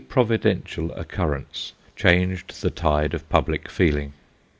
27 providential occurrence changed the tide of public feeling.